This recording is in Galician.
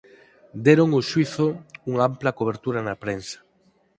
Deron ao xuízo unha ampla cobertura na prensa.